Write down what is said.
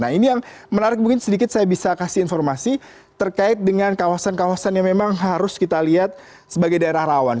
nah ini yang menarik mungkin sedikit saya bisa kasih informasi terkait dengan kawasan kawasan yang memang harus kita lihat sebagai daerah rawan